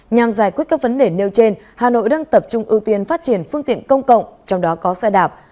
nhằm giải quyết các vấn đề nêu trên hà nội đang tập trung ưu tiên phát triển phương tiện công cộng trong đó có xe đạp